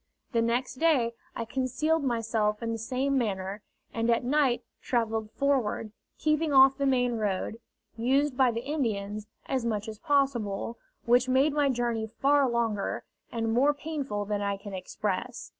The next day I concealed myself in the same manner, and at night travelled forward, keeping off the main road, used by the Indians, as much as possible, which made my journey far longer, and more painful than I can express.